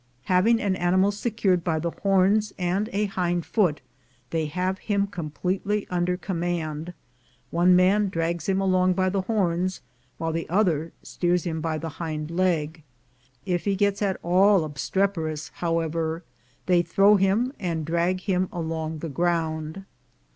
Having an ani mal secured by the horns and a hind foot, they have him completely under command; one man drags him along by the horns, while the other steers him by the hind leg. If he gets at all obstreperous, however, they throw him, and drag him along the ground.